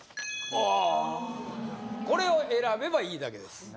あーこれを選べばいいだけです